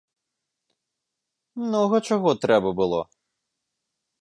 Многа чаго трэба было!